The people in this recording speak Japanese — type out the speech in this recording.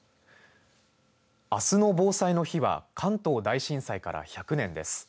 あすの防災の日は関東大震災から１００年です。